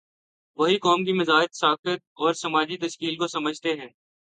وہی قوم کے مزاج، ساخت اور سماجی تشکیل کو سمجھتے ہیں۔